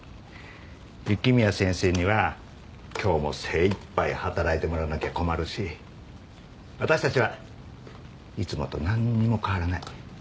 雪宮先生には今日も精いっぱい働いてもらわなきゃ困るし私たちはいつもとなんにも変わらない。